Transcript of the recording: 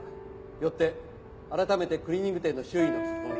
よって改めてクリーニング店の周囲の聞き込み。